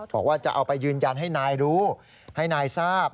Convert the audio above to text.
บอกว่าจะเอาไปยืนยันให้นายรู้ให้นายทราบ